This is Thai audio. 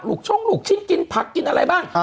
หลุกช้องหลุกชิ้นกินผักกินอะไรบ้าง